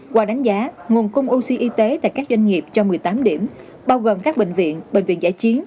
qua đánh giá nguồn cung oxy y tế tại các doanh nghiệp cho một mươi tám điểm bao gồm các bệnh viện bệnh viện giải chiến